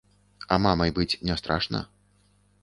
А мамай быць не страшна?